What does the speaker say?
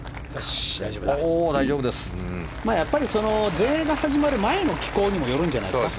全英が始まる前の気候にもよるんじゃないですか。